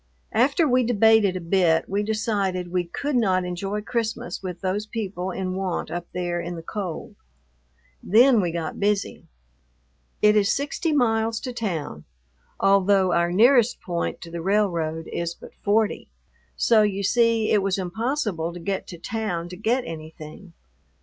After we debated a bit we decided we could not enjoy Christmas with those people in want up there in the cold. Then we got busy. It is sixty miles to town, although our nearest point to the railroad is but forty, so you see it was impossible to get to town to get anything.